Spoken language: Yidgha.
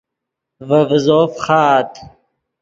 ڤے ڤیزو فخآت